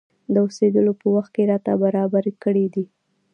د اوسېدلو په وخت کې راته برابر کړي دي.